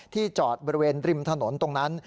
จอดบริเวณริมถนนตรงนั้น